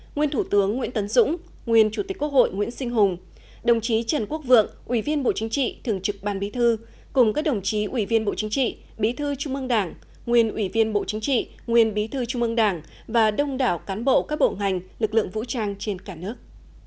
nguyên thủ tướng nguyễn tấn dũng nguyên chủ tịch quốc hội nguyễn sinh hùng đồng chí trần quốc vượng ủy viên bộ chính trị thường trực ban bí thư cùng các đồng chí ủy viên bộ chính trị bí thư trung ương đảng nguyên ủy viên bộ chính trị nguyên bí thư trung ương đảng và đông đảo cán bộ các bộ ngành lực lượng vũ trang trên cả nước